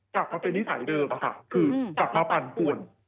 กลับมาเป็นนิสัยเดิมคือกลับมาปั่นป่วน